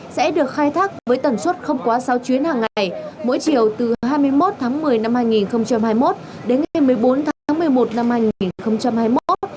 sẽ được khai thác với tần suất không quá sáu chuyến hàng ngày mỗi chiều từ hai mươi một tháng một mươi năm hai nghìn hai mươi một đến ngày một mươi bốn tháng một mươi một năm hai nghìn hai mươi một